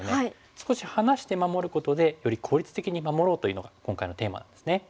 少し離して守ることでより効率的に守ろうというのが今回のテーマなんですね。